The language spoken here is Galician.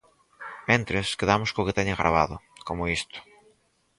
Mentres, quedamos co que teñen gravado, como isto.